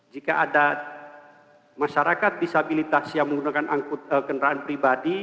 jika ada masyarakat disabilitas yang menggunakan kendaraan pribadi